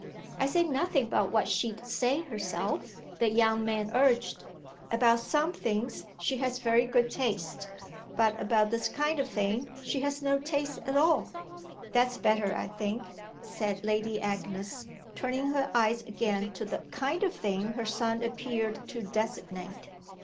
"I say nothing but what she'd say herself," the young man urged. "About some things she has very good taste, but about this kind of thing she has no taste at all." "That's better, I think," said Lady Agnes, turning her eyes again to the "kind of thing" her son appeared to designate.